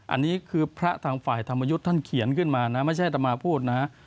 อันนี้คือพระทางฝ่ายธรรมยุทธ์ท่านเขียนขึ้นมานะไม่ใช่อัตมาพูดนะ